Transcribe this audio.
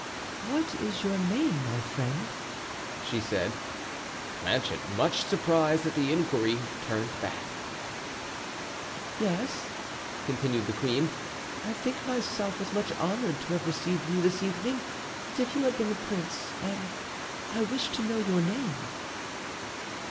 "What is your name, my friend?" she said. Planchet, much surprised at the inquiry, turned back. "Yes," continued the queen, "I think myself as much honored to have received you this evening as if you had been a prince, and I wish to know your name."